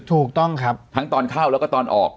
ถูกต้องครับทั้งตอนเข้าแล้วก็ตอนออก